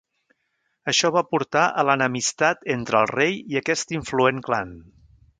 Això va portar a l'enemistat entre el rei i aquest influent clan.